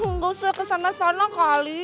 gak usah kesana kesana kali